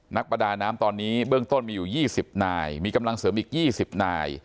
นักประดาน้ำตอนนี้เบื้องต้นมีอยู่๒๐นายมีกำลังเสริมอีก๒๐นาย